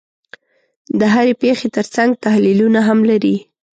د هرې پېښې ترڅنګ تحلیلونه هم لري.